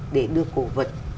để đưa cổ vật